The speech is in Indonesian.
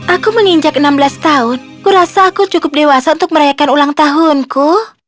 aku menginjak enam belas tahun kurasa aku cukup dewasa untuk merayakan ulang tahunku